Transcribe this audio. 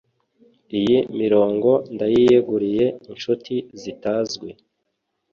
Iyi mirongo ndayiyeguriye inshuti zitazwi